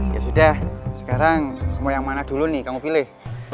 ya sudah sekarang mau yang mana dulu nih kamu pilih